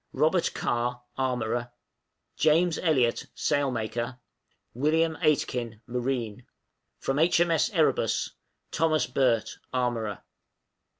" Robert Carr, Armorer. " James Elliot, Sailmaker. " William Aitken, Marine. From H.M.S. 'Erebus,' Thomas Birt, Armorer.